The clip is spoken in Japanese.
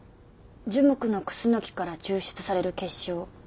樹木のクスノキから抽出される結晶。